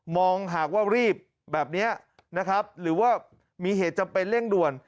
หากว่ารีบแบบนี้นะครับหรือว่ามีเหตุจำเป็นเร่งด่วน